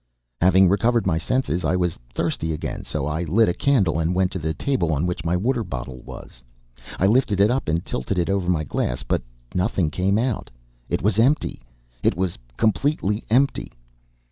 Having recovered my senses, I was thirsty again, so I lit a candle and went to the table on which my water bottle was. I lifted it up and tilted it over my glass, but nothing came out. It was empty! It was completely empty!